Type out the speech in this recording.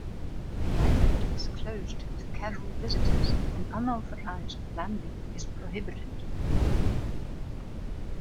The island is closed to casual visitors and unauthorised landing is prohibited.